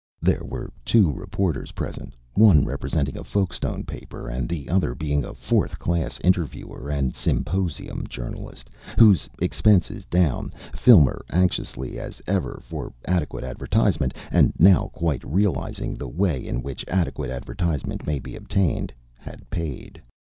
There were two reporters present, one representing a Folkestone paper and the other being a fourth class interviewer and "symposium" journalist, whose expenses down, Filmer, anxious as ever for adequate advertisement and now quite realising the way in which adequate advertisement may be obtained had paid.